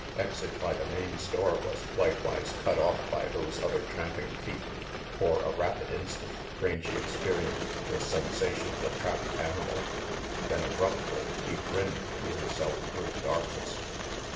Exit by the main store was likewise cut RANGY PETE 165 off by those other tramping feet. For a rapid instant Rangy experienced the sensation of a trapped animal. Then abruptly he grinned to himself through the darkness.